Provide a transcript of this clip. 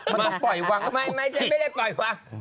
มันต้องปล่อยวางไม่ไม่ได้ปล่อยวาง